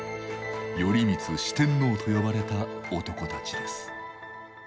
「頼光四天王」と呼ばれた男たちです。